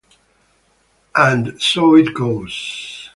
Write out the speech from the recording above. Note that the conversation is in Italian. And So It Goes